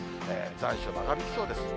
残暑長引きそうです。